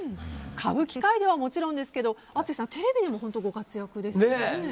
歌舞伎界ではもちろんですが淳さんテレビでもご活躍ですよね。